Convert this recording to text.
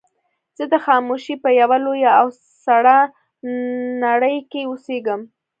زه د خاموشۍ په يوه لويه او سړه نړۍ کې اوسېږم.